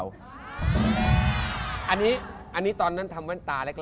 อันนี้ตอนนั้นทำแว่นตาแล้วก็